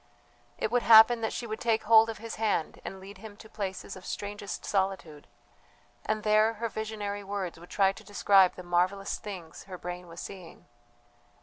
It would happen that she would take hold of his hand and lead him to places of strangest solitude, and there her visionary words would try to describe the marvellous things her brain was seeing.